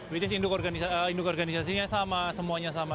biasanya induk organisasinya sama semuanya sama